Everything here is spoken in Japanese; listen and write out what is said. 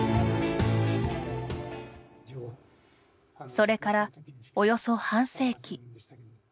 それから、およそ半世紀。